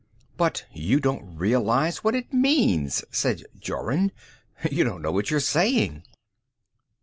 "But you don't realize what it means," said Jorun. "You don't know what you're saying."